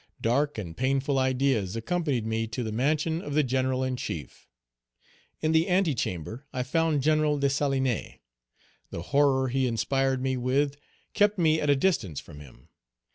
Dark and painful ideas accompanied me to the mansion of the General in chief. In the antechamber I found General Dessalines. The horror he inspired me with kept me at a distance from him.